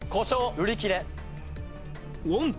売り切れ。